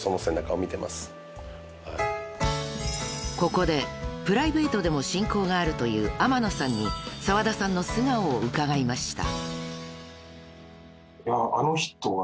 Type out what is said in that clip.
［ここでプライベートでも親交があるという天野さんに澤田さんの素顔を伺いました］